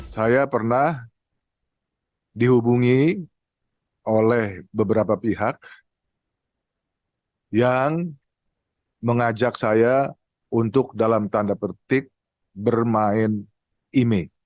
saya pernah dihubungi oleh beberapa pihak yang mengajak saya untuk dalam tanda petik bermain imei